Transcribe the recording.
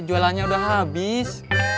jualannya udah habis